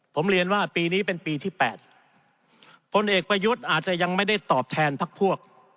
ผมเรียนว่าปีนี้เป็นปีที่๘พลเอกประยุทธ์อาจจะยังไม่ได้ตอบแทนพักพวก